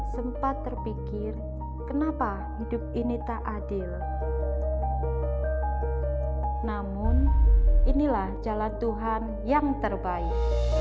sempat terpikir kenapa hidup ini tak adil namun inilah jalan tuhan yang terbaik